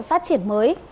phát triển mới